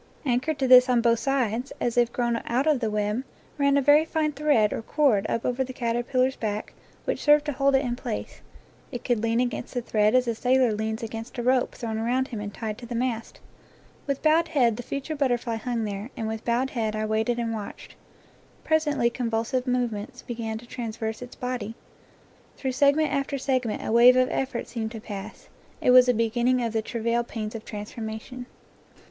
Anchored to this on both sides, as if grown out of the web,, ran a very fine thread or cord up over the caterpillar's back, which served to hold it in place; it could lean against the thread as a sailor leans against a rope thrown around him and tied to the mast. With bowed head the future butterfly hung there, and with bowed head I waited and watched. Presently convulsive movements began to traverse its body; through segment after seg ment a wave of effort seemed to pass. It was a be ginning of the travail pains of transformation.